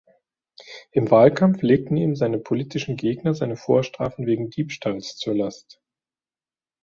Im Wahlkampf legten ihm seine politischen Gegner seine Vorstrafen wegen Diebstahls zur Last.